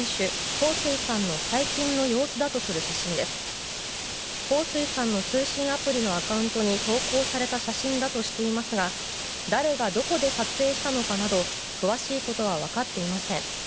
ホウ・スイさんの通信アプリのアカウントに投稿された写真だとしていますが誰が、どこで撮影したのかなど詳しいことは分かっていません。